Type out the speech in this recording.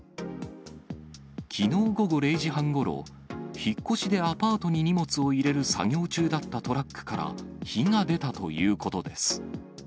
きのう午後０時半ごろ、引っ越しでアパートに荷物を入れる作業中だったトラックから火が出たということです。